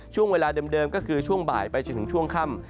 ช่วงเวลาเดิมก็คือช่วงบ่ายไปจนถึงช่วงค่ำ